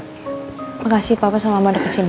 terima kasih papa dan mama udah kesini ya